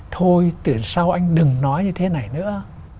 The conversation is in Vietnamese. thôi từ sau anh đừng nói như thế này nữa